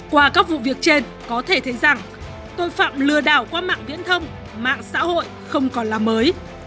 qua các vụ việc trên có thể thấy rằng tội phạm lừa đảo qua mạng viễn thông mạng xã hội không còn là mới